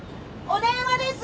お電話です。